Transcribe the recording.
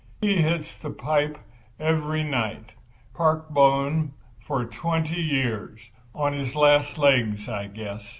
"He hits the pipe every night. Park bum for twenty years. On his last legs, I guess."